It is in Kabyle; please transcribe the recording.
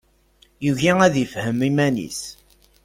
Yugi ad ifhem iman-is.